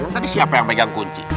tapi siapa yang pegang kunci